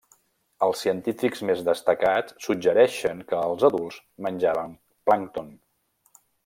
Els científics més destacats suggereixen que els adults menjaven plàncton.